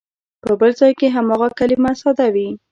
په بل ځای کې هماغه کلمه ساده وي.